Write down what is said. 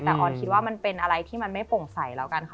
แต่ออนคิดว่ามันเป็นอะไรที่มันไม่โปร่งใสแล้วกันค่ะ